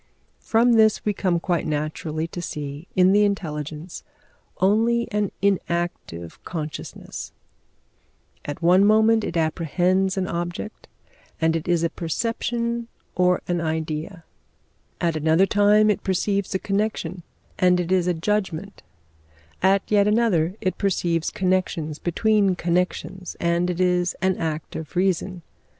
From this we come quite naturally to see in the intelligence only an inactive consciousness; at one moment it apprehends an object, and it is a perception or an idea; at another time it perceives a connection, and it is a judgment; at yet another, it perceives connections between connections, and it is an act of reason.